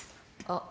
あっ。